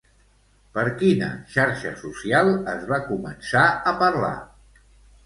Per quina xarxa social es va començar a parlar?